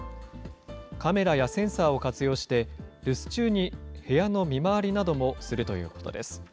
カメラやセンサーを活用して、留守中に部屋の見回りなどもするということです。